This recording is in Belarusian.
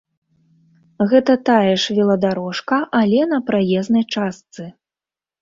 Гэта тая ж веладарожка, але на праезнай частцы.